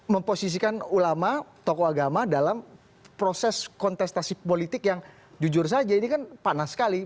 memposisikan ulama tokoh agama dalam proses kontestasi politik yang jujur saja ini kan panas sekali